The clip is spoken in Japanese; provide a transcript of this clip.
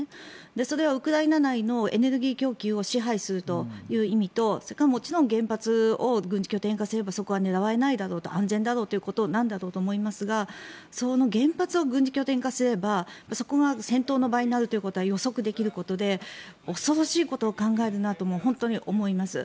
それはウクライナ内のエネルギー供給を支配するという意味とそれからもちろん原発を軍事拠点化すればそこは狙われないだろうと安全だろうということだと思いますがその原発を軍事拠点化すればそこが戦闘の場になることは予測できることで恐ろしいことを考えるなと本当に思います。